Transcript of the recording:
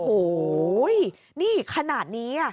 โอ้โหนี่ขนาดนี้